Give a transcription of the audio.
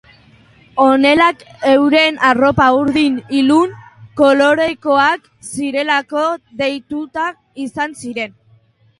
Honela, euren arropak, urdin ilun kolorekoak zirelako deituak izan ziren.